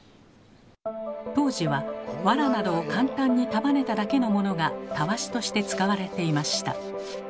当時はワラなどを簡単に束ねただけのものがたわしとして使われていました。